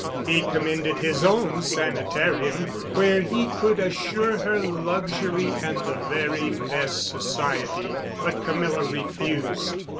He commended his own sanitarium, where he could assure her luxury and the very best society, but Camilla refused.